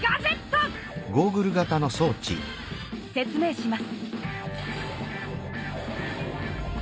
説明します。